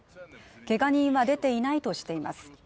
けが人は出ていないとしています。